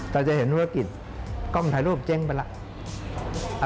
เราจะเห็นธุรกิจกล้องถ่ายรูปเจ๊งไปแล้ว